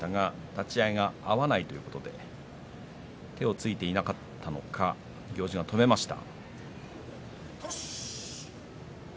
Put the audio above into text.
立ち合いが合わないということで手をついていなかったのか行司が止めました。